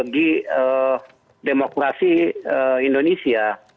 bagi demokrasi indonesia